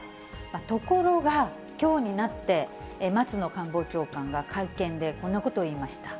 ところが、きょうになって松野官房長官は会見でこんなことを言いました。